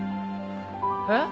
えっ？